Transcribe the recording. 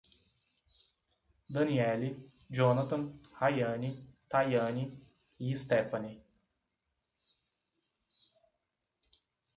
Danieli, Jhonatan, Rayane, Taiane e Stefani